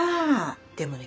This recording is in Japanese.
でもね